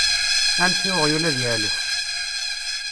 Anef i weɣyul ad yeεlef!